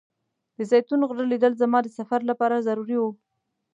د زیتون غره لیدل زما د سفر لپاره ضروري و.